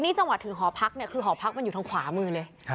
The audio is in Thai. นี่จังหวะถึงหอพักเนี่ยคือหอพักมันอยู่ทางขวามือเลย